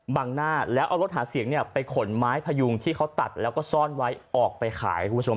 หน้าแล้วเอารถหาเสียงเนี่ยไปขนไม้พยุงที่เขาตัดแล้วก็ซ่อนไว้ออกไปขายคุณผู้ชม